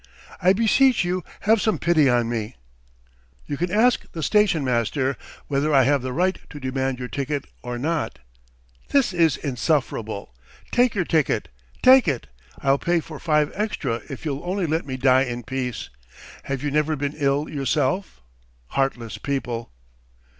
I beseech you have some pity on me!" "You can ask the station master ... whether I have the right to demand your ticket or not." "This is insufferable! Take your ticket. .. take it! I'll pay for five extra if you'll only let me die in peace! Have you never been ill yourself? Heartless people!"